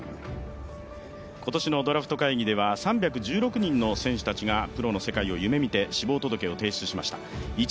今年のドラフト会議では３１６人の選手たちがプロの世界を夢見て志望届を提出しました。